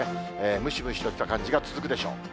ムシムシとした感じが続くでしょう。